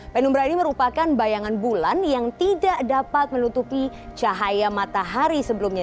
penumbra ini merupakan bayangan bulan yang tidak dapat menutupi cahaya matahari sebelumnya